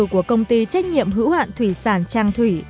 của công ty trách nhiệm hữu hạn thủy sản trang thủy